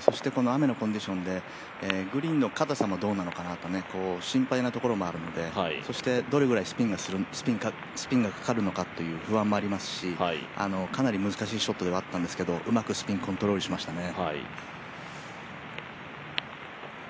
そして雨のコンディションでグリーンのかたさもどうなのかなと心配なところもあるのでどれだけスピンがかかるのかという不安もありますし、かなり難しいショットではあったんですけど、うまくスピンコントロールしましたね。